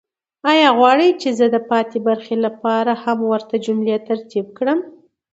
آیا غواړئ چې زه د پاتې برخې لپاره هم ورته جملې ترتیب کړم؟